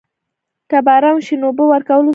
که باران وشي نو اوبه ورکول وځنډوم؟